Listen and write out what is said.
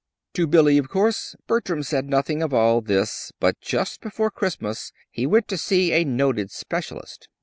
To Billy, of course, Bertram said nothing of all this; but just before Christmas he went to see a noted specialist.